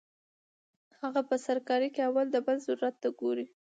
هغه پۀ هر کار کې اول د بل ضرورت ته ګوري -